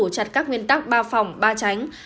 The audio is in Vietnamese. đổ chặt các nguyên tắc ba phòng ba tránh